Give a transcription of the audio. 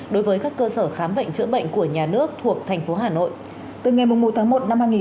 đối với các cơ sở khám bệnh chữa bệnh của nhà nước thuộc thành phố hà nội